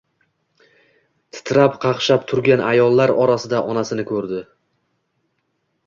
Titrab-qaqshab turgan ayollar orasida onasini ko‘rdi.